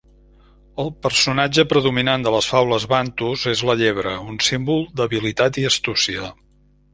El personatge predominant de les faules bantus és la llebre, un símbol d'habilitat i astúcia.